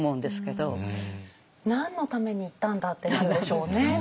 何のために行ったんだってなるでしょうね。